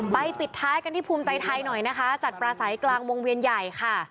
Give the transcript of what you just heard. ปิดท้ายกันที่ภูมิใจไทยหน่อยนะคะจัดปลาใสกลางวงเวียนใหญ่ค่ะ